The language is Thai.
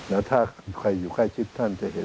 แล้วถ้าใครอยู่ใกล้ชิดท่านจะเห็น